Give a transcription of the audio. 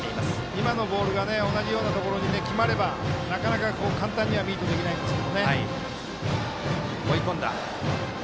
今のボールが同じようなところに決まればなかなか、簡単にはミートできないんですが。